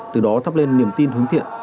từ đó thắp lên niềm tin hứng thiện